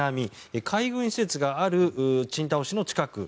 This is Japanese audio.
海軍施設がある青島市の近く。